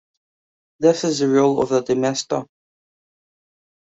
This is the role of the demister.